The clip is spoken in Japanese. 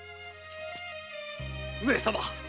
上様！